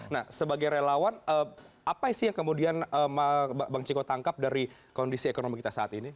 nah sebagai relawan apa sih yang kemudian bang ciko tangkap dari kondisi ekonomi kita saat ini